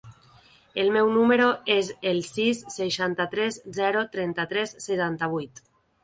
El meu número es el sis, seixanta-tres, zero, trenta-tres, setanta-vuit.